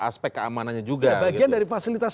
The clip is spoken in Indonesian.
aspek keamanannya juga bagian dari fasilitas